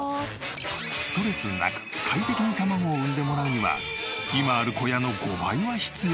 ストレスなく快適に卵を産んでもらうには今ある小屋の５倍は必要だそう。